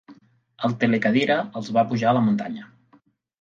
La telecadira els va pujar a la muntanya.